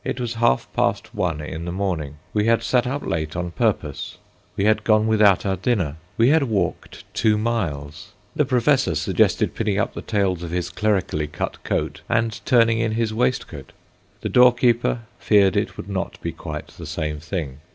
It was half past one in the morning. We had sat up late on purpose; we had gone without our dinner; we had walked two miles. The professor suggested pinning up the tails of his clerically cut coat and turning in his waistcoat. The doorkeeper feared it would not be quite the same thing.